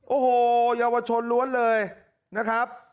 โอ้โหเยาวชนล้วนเลยนะครับ